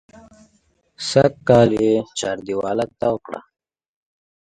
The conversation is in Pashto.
سږکال یې چاردېواله تاو کړه.